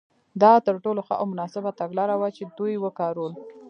دا تر ټولو ښه او مناسبه تګلاره وه چې دوی وکارول.